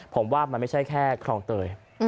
ผมว่ามันไม่ใช่แค่คลองเตย